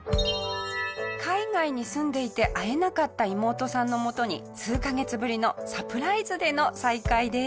海外に住んでいて会えなかった妹さんのもとに数カ月ぶりのサプライズでの再会です。